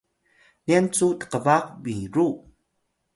nyan cu tqbaq miru